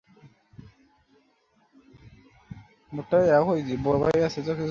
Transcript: অস্ট্রেলিয়ার কিছু অভিবাসন নীতি ক্রমশই বেশি করে অভিবাসীদের মানবাধিকার লঙ্ঘন করছে।